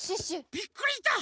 びっくりした！